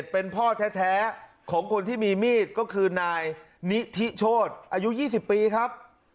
เป็นพ่อแท้ของคนที่มีมีดก็คือนายนิธิโชธอายุ๒๐ปีครับ